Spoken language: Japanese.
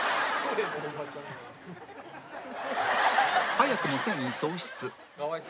早くも戦意喪失